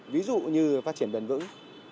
ví dụ như phát triển đần vững